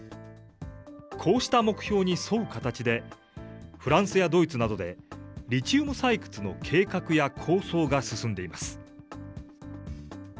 こうした目標に沿う形で、フランスやドイツなどで、リチウム採掘の計画や構想が進んでいます。